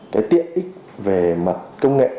cái tiện ích về mặt công nghệ